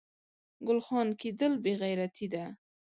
ګل خان کیدل بې غیرتي ده